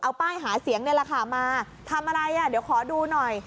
เอาป้ายหาเสียงนี่แหละค่ะมาทำอะไรอ่ะเดี๋ยวขอดูหน่อย